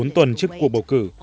bốn tuần trước cuộc bầu cử